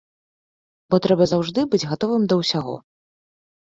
Бо трэба заўжды быць гатовым да ўсяго.